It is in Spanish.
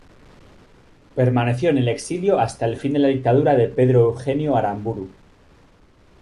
Permaneció en el exilio hasta el fin de la dictadura de Pedro Eugenio Aramburu.